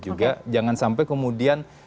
juga jangan sampai kemudian